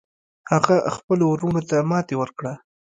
هغه خپلو وروڼو ته ماتې ورکړه.